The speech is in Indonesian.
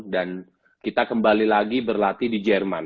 dan kita kembali lagi berlatih di jerman